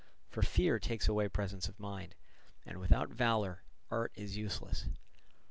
For fear takes away presence of mind, and without valour art is useless.